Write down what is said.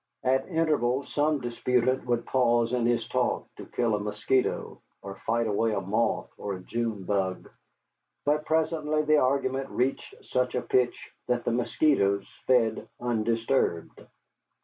At intervals some disputant would pause in his talk to kill a mosquito or fight away a moth or a June bug, but presently the argument reached such a pitch that the mosquitoes fed undisturbed.